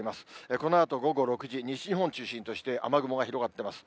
このあと午後６時、西日本を中心として雨雲が広がってます。